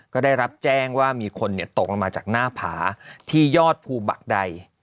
ก็ได้รับแจ้งว่ามีคนตกลงมาจากหน้าผาที่ยอดภูบักใด